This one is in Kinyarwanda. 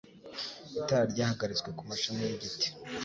Itara ryahagaritswe kumashami yigiti.